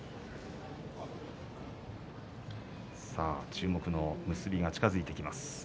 注目の結びが近づいてきます。